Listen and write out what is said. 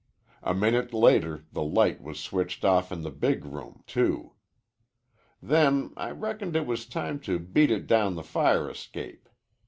A minute later the light was switched off in the big room, too. Then I reckoned it was time to beat it down the fire escape.